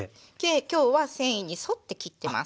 今日は繊維に沿って切ってます。